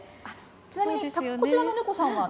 ちなみに、こちらの猫ちゃんは。